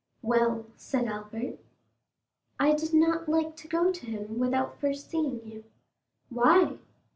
"Well!" said Albert. "I did not like to go to him without first seeing you." "Why?"